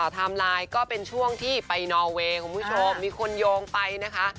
ไทม์ไลน์ก็เป็นช่วงที่ไปนอเวย์คุณผู้ชมมีคนโยงไปนะคะ